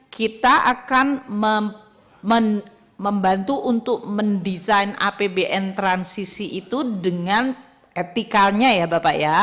kita akan membantu untuk mendesain apbn transisi itu dengan etikalnya ya bapak ya